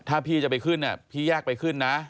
ถ้าพี่จะไปขึ้นพี่แยกไปขึ้นนะ